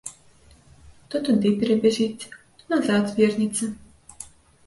То туды перабяжыць, то назад вернецца.